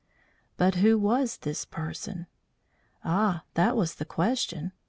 But who was this person? Ah, that was the question!